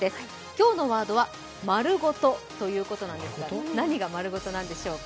今日のワードは「丸ごと！！」ということなんですが、何が丸ごとなんでしょうか。